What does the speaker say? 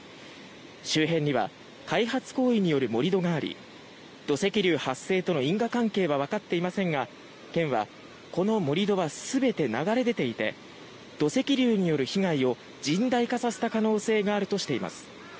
周辺には開発行為による盛り土があり土石流発生との因果関係はわかっていませんが県はこの盛り土は全て流れ出ていて土石流による被害を甚大化させた可能性があるとしています。